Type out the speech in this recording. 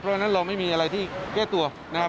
เพราะฉะนั้นเราไม่มีอะไรที่แก้ตัวนะครับ